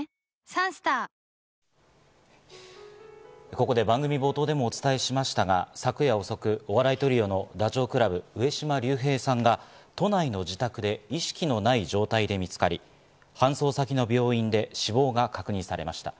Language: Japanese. ここで番組冒頭でもお伝えしましたが、昨夜遅く、お笑いトリオのダチョウ倶楽部の上島竜兵さんが都内の自宅で意識のない状態で見つかり、搬送先の病院で死亡が確認されました。